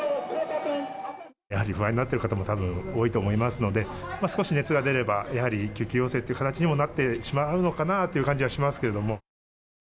やはり不安になってる方も多いと思いますので少し熱が出れば、やはり救急要請という形にもなってしまうのかなあという感じはしますけれども。